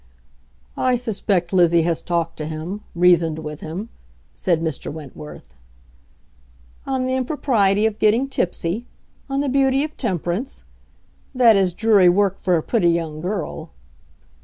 "I suspect Lizzie has talked to him, reasoned with him," said Mr. Wentworth. "On the impropriety of getting tipsy—on the beauty of temperance? That is dreary work for a pretty young girl.